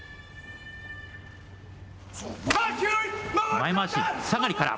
前まわし、さがりから。